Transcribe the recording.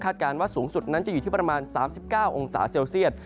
การว่าสูงสุดนั้นจะอยู่ที่ประมาณ๓๙องศาเซลเซียต